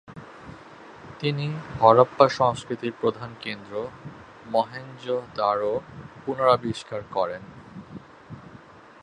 তিনি হরপ্পা সংস্কৃতির প্রধান কেন্দ্র মহেঞ্জোদাড়ো পুনরাবিষ্কার করেন।